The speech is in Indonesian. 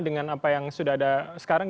dengan apa yang sudah ada sekarang